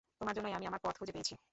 তোমার জন্যই আমি আমার পথ খুঁজে পেয়েছি।